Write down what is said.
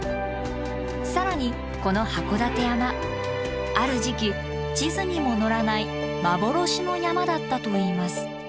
更にこの函館山ある時期地図にも載らない幻の山だったといいます。